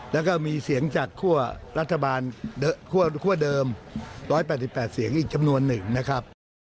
แล้วก็มีเสียงจากคั่วรัฐบาลคั่วเดิม๑๘๘เสียงอีกจำนวนหนึ่งนะครับ